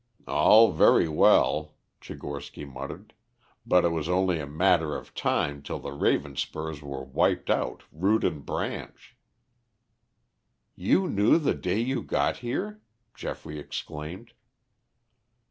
"All very well," Tchigorsky muttered; "but it was only a 'matter of time' till the Ravenspurs were wiped out root and branch." "You knew the day you got here?" Geoffrey exclaimed.